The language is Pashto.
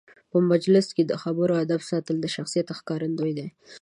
په مجلس کې د خبرو آدب ساتل د شخصیت ښکارندوی دی.